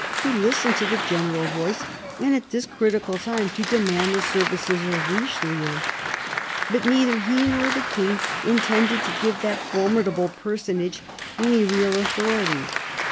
to listen to the general voice and at this critical time to demand the services of Richelieu. But neither he nor the King intended to give that formidable personage any real authority.